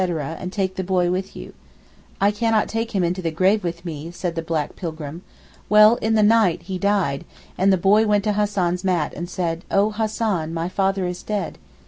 and take the boy with you.' 'I cannot take him into the grave with me,' said the black pilgrim. Well in the night he died and the boy went to Hassan's mat and said, 'Oh Hassan, my father is dead.